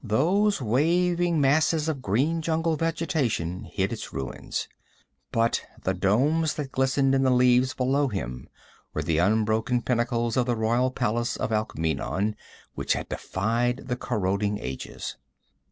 Those waving masses of green jungle vegetation hid its ruins. But the domes that glistened in the leaves below him were the unbroken pinnacles of the royal palace of Alkmeenon which had defied the corroding ages.